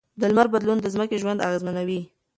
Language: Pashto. د لمر بدلون د ځمکې ژوند اغېزمنوي.